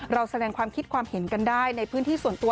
เราแสดงความคิดความเห็นกันได้ในพื้นที่ส่วนตัว